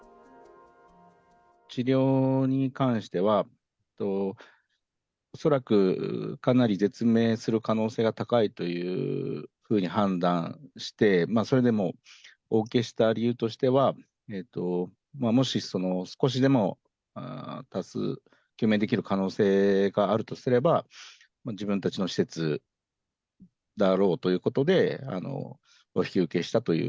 治療に関しては、恐らくかなり絶命する可能性が高いというふうに判断して、それでもお受けした理由としては、もし少しでも救命できる可能性があるとすれば、自分たちの施設だろうということで、お引き受けしたという。